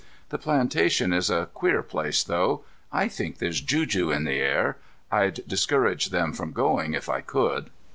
The plantation is a queer place, though. I think there's juju in the air. I'd discourage them from going, if I could."